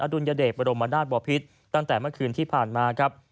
ดุลยเดชบรมนาศบอพิษตั้งแต่เมื่อคืนที่ผ่านมาครับ